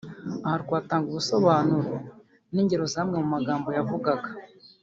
aha twatanga ubusobanuro n’ingero z’amwe mu magambo yavugaga